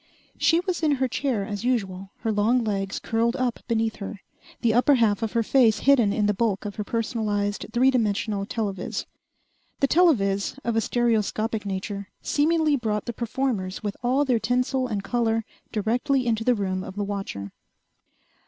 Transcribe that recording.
She was in her chair as usual, her long legs curled up beneath her, the upper half of her face hidden in the bulk of her personalized, three dimensional telovis. The telovis, of a stereoscopic nature, seemingly brought the performers with all their tinsel and color directly into the room of the watcher.